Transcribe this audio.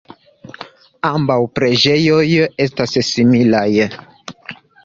Ambaŭ preĝejoj estas similaj.